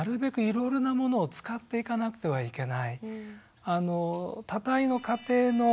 いろいろなものを使っていかなくてはいけない。